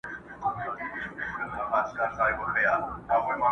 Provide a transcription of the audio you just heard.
د ښایست یې پر ملکونو چوک چوکه سوه؛